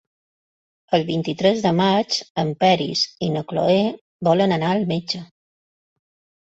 El vint-i-tres de maig en Peris i na Cloè volen anar al metge.